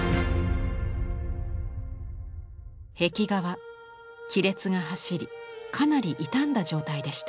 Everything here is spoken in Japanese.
壁画は亀裂が走りかなり傷んだ状態でした。